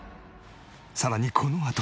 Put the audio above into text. さらにこのあと。